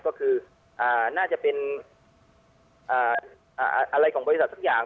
ก็คือน่าจะเป็นอะไรของบริษัทสักอย่าง